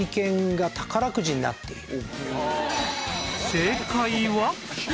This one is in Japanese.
正解は